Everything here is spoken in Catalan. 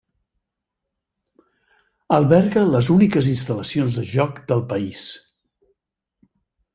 Alberga les úniques instal·lacions de joc del país.